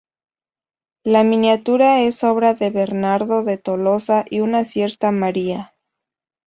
La miniatura es obra de Bernardo de Tolosa y una cierta María.